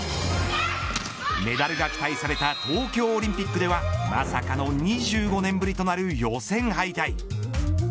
メダルが期待された東京オリンピックではまさかの２５年ぶりとなる予選敗退。